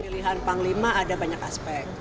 pemilihan panglima ada banyak aspek